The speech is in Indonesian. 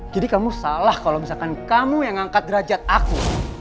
jadi kamu salah kalau misalkan kamu yang angkat derajat aku